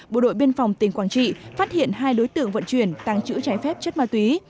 bộ đội biên phòng tỉnh quảng trị phát hiện hai đối tượng vận chuyển tăng trữ trái phép chất ma túy